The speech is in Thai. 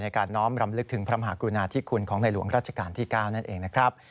การน้อมรำลึกถึงพระมหากรุณาธิคุณของในหลวงราชการที่๙นั่นเองนะครับ